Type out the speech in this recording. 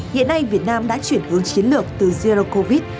hiện nay việt nam đã chuyển hướng chiến lược từ zero covid